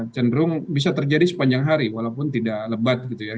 cenderung bisa terjadi sepanjang hari walaupun tidak lebat gitu ya